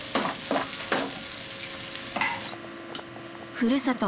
ふるさと